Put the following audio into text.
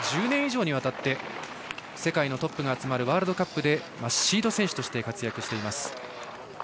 １０年以上にわたって世界のトップが集まるワールドカップでシード選手として活躍しています。